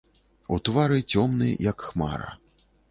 У твары цёмны, як хмара.